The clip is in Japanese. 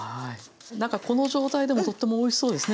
何かこの状態でもとってもおいしそうですね。